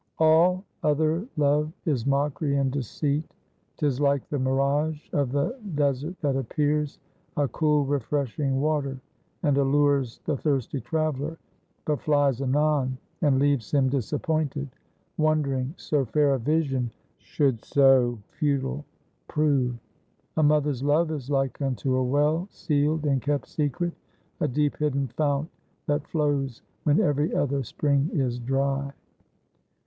"All other love is mockery and deceit. 'Tis like the mirage of the desert that appears A cool refreshing water, and allures The thirsty traveler, but flies anon And leaves him disappointed, wondering So fair a vision should so futile prove. A mother's love is like unto a well Sealed and kept secret, a deep hidden fount That flows when every other spring is dry."